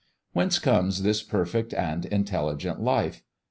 Whence comes this perfect and intelligent life?